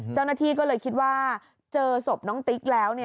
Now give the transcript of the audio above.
เจ้าหน้าที่ก็เลยคิดว่าเจอศพน้องติ๊กแล้ว